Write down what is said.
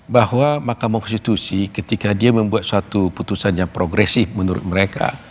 bahwa mahkamah konstitusi ketika dia membuat suatu putusan yang progresif menurut mereka